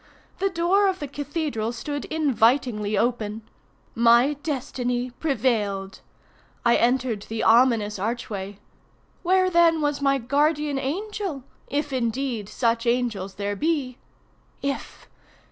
The door of the cathedral stood invitingly open. My destiny prevailed. I entered the ominous archway. Where then was my guardian angel?—if indeed such angels there be. If!